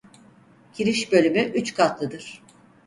Giriş bölümü üç katlıdır.